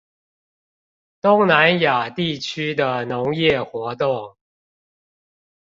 東南亞地區的農業活動